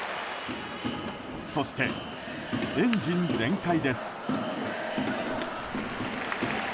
そして、エンジン全開です。